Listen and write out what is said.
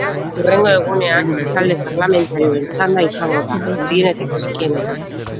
Hurrengo egunean talde parlamentarioen txanda izango da, handienetik txikienera.